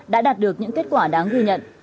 đã đạt được những kết quả đáng ghi nhận